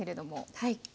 はい。